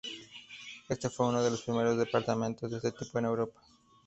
Este fue uno de los primeros departamentos de este tipo en Europa.